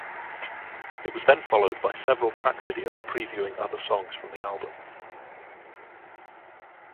It was then followed by several track videos previewing other songs from the album.